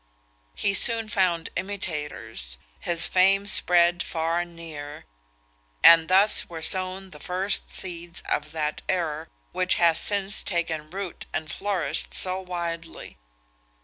He soon found imitators. His fame spread far and near; and thus were sown the first seeds of that error which has since taken root and flourished so widely.